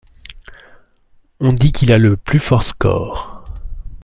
On dit qu'il a le plus fort score.